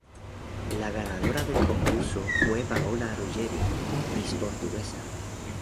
La ganadora del concurso fue Paola Ruggeri, Miss Portuguesa.